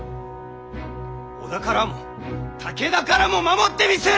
織田からも武田からも守ってみせる！